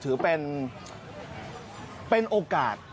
ถือเป็นเป็นโอกาส